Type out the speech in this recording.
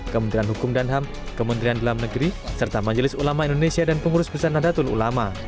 kementerian hukum dan ham kementerian dalam negeri serta majelis ulama indonesia dan pengurus pusat nadatul ulama